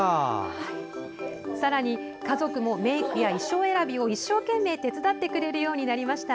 さらに、家族もメークや衣装選びを一生懸命手伝ってくれるようになりました。